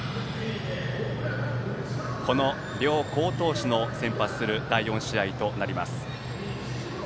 この両好投手先発する第４試合となります。